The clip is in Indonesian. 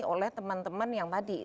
oleh teman teman yang tadi